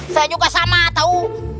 saya juga sama tau